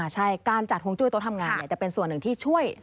ใช่การจัดฮวงจุ้ยโต๊ะทำงานจะเป็นส่วนหนึ่งที่ช่วย